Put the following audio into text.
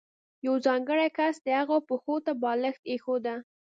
یو ځانګړی کس د هغه پښو ته بالښت ایښوده.